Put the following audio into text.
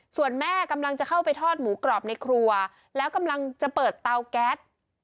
ส่วนแม่กำลังจะเข้าไปทอดหมูกรอบในครัวแล้วกำลังจะเปิดเตาแก๊ส